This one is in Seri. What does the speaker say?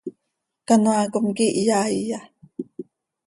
Canoaa com, ¿quíih yaaiya?